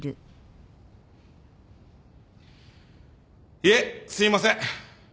いえすいません。